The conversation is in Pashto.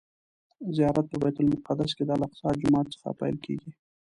زیارت په بیت المقدس کې د الاقصی جومات څخه پیل کیږي.